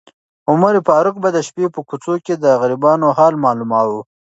عمر فاروق به د شپې په کوڅو کې د غریبانو حال معلوماوه.